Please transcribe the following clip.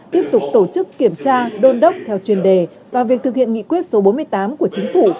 tiếp tục tổ chức kiểm tra đôn đốc theo chuyên đề và việc thực hiện nghị quyết số bốn mươi tám của chính phủ